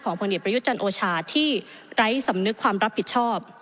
ผลเอกประยุทธ์จันทร์โอชาที่ไร้สำนึกความรับผิดชอบ